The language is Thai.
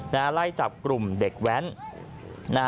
นะฮะไล่จากกลุ่มเด็กแว้น